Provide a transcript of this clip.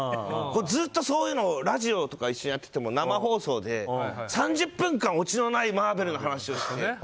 ずっとそういうのをラジオとか一緒にやってても生放送で３０分間オチのないマーベルの話をして。